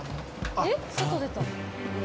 えっ外出た。